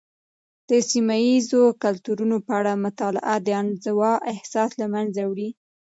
د سيمه یيزو کلتورونو په اړه مطالعه، د انزوا احساس له منځه وړي.